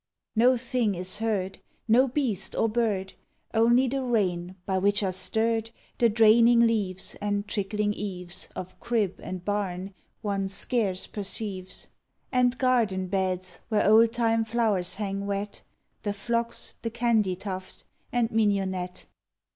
No thing is heard, No beast or bird, Only the rain by which are stirred The draining leaves, And trickling eaves Of crib and barn one scarce perceives; And garden beds where old time flow'rs hang wet The phlox, the candytuft, and mignonette.